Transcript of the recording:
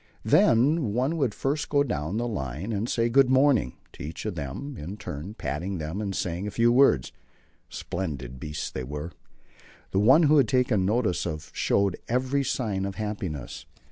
Then one would first go down the line and say "Good morning" to each of them in turn, patting them and saying a few words. Splendid beasts they were. The one who was taken notice of showed every sign of happiness.